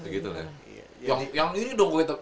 yang ini dong kawetop